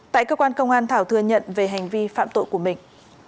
tại cơ quan công an thảo thừa nhận về hành vi phạm tội của mình